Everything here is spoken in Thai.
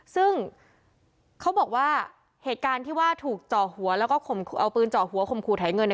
ซึ่งเขาบอกว่าเหตุการณ์ที่ว่าถูกจ่อหัวแล้วก็เอาปืนจ่อหัวขมขู่ไถเงิน